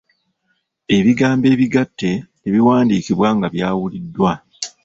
Ebigambo ebigatte tebiwandiikibwa nga byawuliddwa.